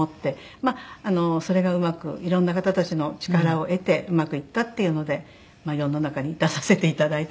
まあそれがうまくいろんな方たちの力を得てうまくいったっていうので世の中に出させていただいた。